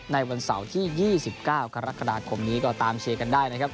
ในวันเสาร์ที่๒๙กรกฎาคมนี้ก็ตามเชียร์กันได้นะครับ